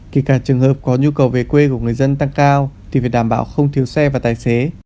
kể cả trường hợp có nhu cầu về quê của người dân tăng cao thì việc đảm bảo không thiếu xe và tài xế